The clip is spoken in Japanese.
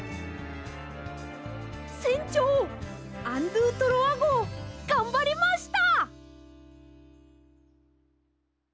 せんちょうアン・ドゥ・トロワごうがんばりました！